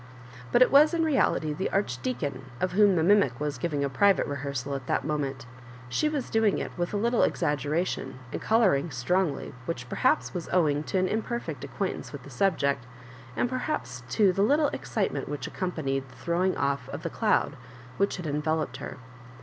But it was in reality the Arch« deacon of whom the mimic was giving a private rehears^ at that moment. She was doing it with a little exaggeration, and colouring strongs ly, which perhaps was owing to an imperfect ac quaintance with the subject, and perhaps to the little excitement which accompanied the throwing off of the cloud which had ea Digitized by VjOOQIC MISS MABJOmBAITEa 69 Teloped her.